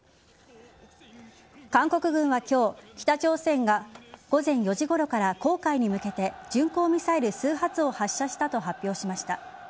韓国軍は今日北朝鮮が午前４時ごろから黄海に向けて巡航ミサイル数発を発射したと発表しました。